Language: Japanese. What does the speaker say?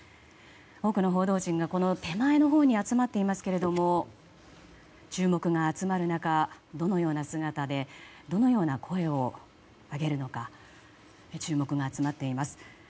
多くの報道陣が手前のほうに集まっていますが注目が集まる中、どのような姿でどのような声を上げるのか注目が集まっています。